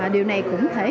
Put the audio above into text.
điều này cũng thay đổi